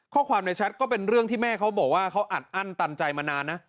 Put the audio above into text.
ข้อความในแชทก็เป็นเรื่องที่แม่เขาบอกว่าเขาอัดอั้นตันใจมานานนะ